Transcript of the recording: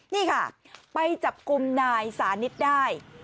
นี่ค่ะไปจับกลุ่มนายสานิทได้